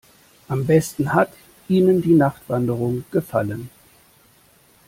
Am besten hat ihnen die Nachtwanderung gefallen.